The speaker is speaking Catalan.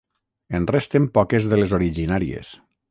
En resten poques de les originàries.